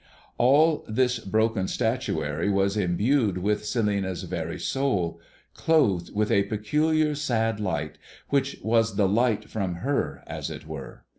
All this broken statuary was imbued with Celinina's very soul, clothed with a peculiar sad light, which was the light from her, as it were.